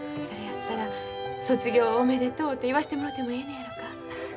それやったら卒業おめでとうて言わしてもろてもええのやろか。